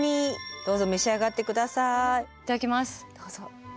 どうぞ。